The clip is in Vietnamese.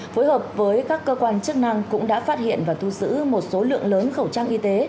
phối hợp với các cơ quan chức năng cũng đã phát hiện và thu giữ một số lượng lớn khẩu trang y tế